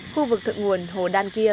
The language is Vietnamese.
khu vực thượng nguồn hồ đan kia